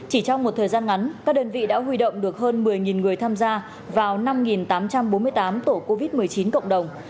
chỉ trong một thời gian ngắn các đơn vị đã huy động được hơn một mươi người tham gia vào năm tám trăm bốn mươi tám tổ covid một mươi chín cộng đồng